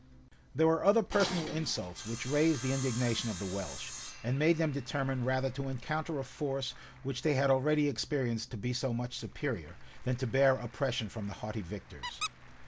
There were other personal insults which raised the indignation of the Welsh, and made them determine rather to encounter a force which they had already experienced to be so much superior, than to bear oppression from the haughty victors.